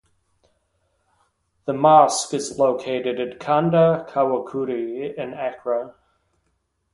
The mosque is located at Kanda(Kawukudi) in Accra.